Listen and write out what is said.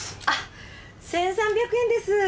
あっ１，３００円です。